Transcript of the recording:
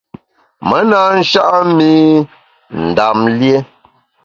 Me na sha’a mi Ndam lié.